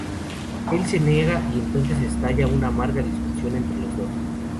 Él se niega y entonces estalla una amarga discusión entre los dos.